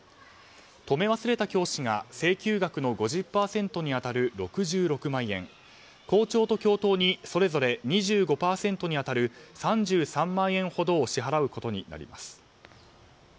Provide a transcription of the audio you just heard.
止め忘れた教師が請求額の５０％に当たる６６万円校長、教頭にそれぞれ２５％に当たる３３万円ほどを支払うことになります。